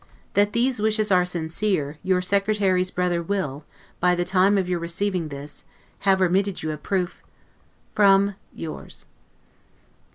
That these wishes are sincere, your secretary's brother will, by the time of your receiving this, have remitted you a proof, from Yours.